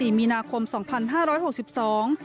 มีนาคมสองพันห้าร้อยหกสิบสอง